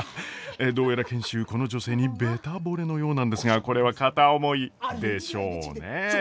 どうやら賢秀この女性にべたぼれのようなんですがこれは片思いでしょうね。